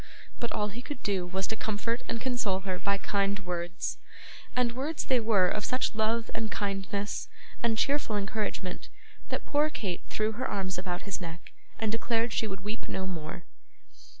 But all he could do was to comfort and console her by kind words; and words they were of such love and kindness, and cheerful encouragement, that poor Kate threw her arms about his neck, and declared she would weep no more.